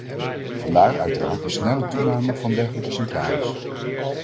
Vandaar uiteraard de snelle toename van dergelijke centrales.